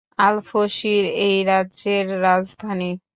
আল-ফশির এই রাজ্যের রাজধানী।